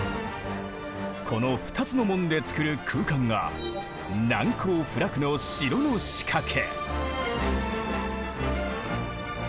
この２つの門でつくる空間が難攻不落の城の仕掛け。